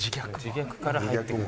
自虐から入ってくる。